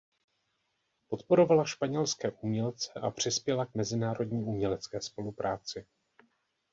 Podporovala španělské umělce a přispěla k mezinárodní umělecké spolupráci.